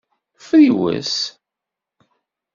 Friwes.